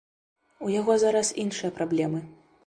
У яго зараз іншыя праблемы.